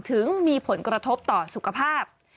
ถึงมีผลกระทบต่อสุขภาพ